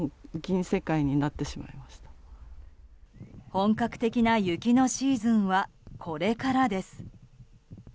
本格的な雪のシーズンはこれからです。